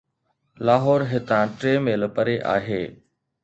لاهور هتان ٽي ميل پري آهي